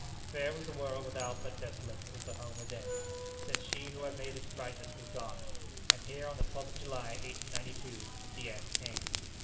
Fair was the world without but desolate was the home within, since she who had made its brightness was gone; and here on the 12th of July 1892, the end came.